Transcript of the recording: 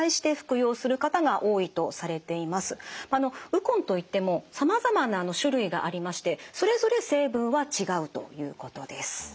ウコンといってもさまざまな種類がありましてそれぞれ成分は違うということです。